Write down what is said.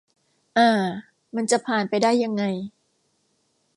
อ่า มันจะผ่านไปได้ยังไง